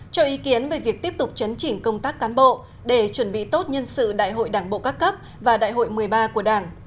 cho ý kiến về việc tiếp tục chấn chỉnh công tác cán bộ để chuẩn bị tốt nhân sự đại hội đảng bộ các cấp và đại hội một mươi ba của đảng